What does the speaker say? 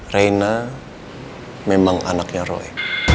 reina memang anaknya roy